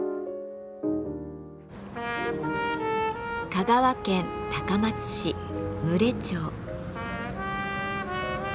香川県高松市牟礼町。